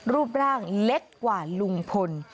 รูปร่างเล็กกว่าลุงพล